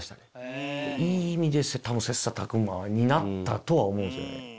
いい意味で多分切磋琢磨になったとは思うんですよね。